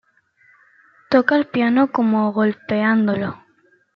Toca el piano como golpeándolo.